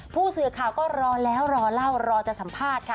ผู้สื่อข่าวก็รอแล้วรอเล่ารอจะสัมภาษณ์ค่ะ